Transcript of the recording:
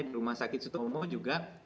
di rumah sakit setomo juga